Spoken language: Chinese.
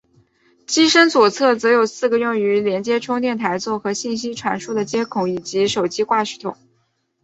机身左侧则有四个用于连接充电台座和信息传输的接孔以及手机挂饰孔。